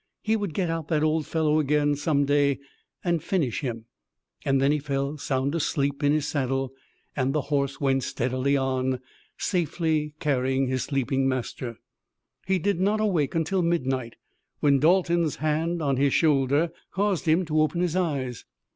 He would get out that old fellow again some day and finish him. Then he fell sound asleep in his saddle, and the horse went steadily on, safely carrying his sleeping master. He did not awake until midnight, when Dalton's hand on his shoulder caused him to open his eyes.